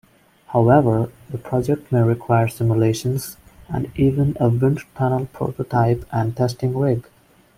However, the project may require simulations, and even a wind-tunnel prototype and testing rig.